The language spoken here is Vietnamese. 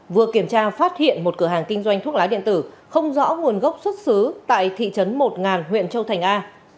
vừa kiểm tra phát hiện một cửa hàng kinh doanh thuốc lá điện tử không rõ nguồn gốc xuất xứ tại thị trấn một huyện châu thành a